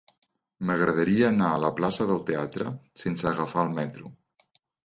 M'agradaria anar a la plaça del Teatre sense agafar el metro.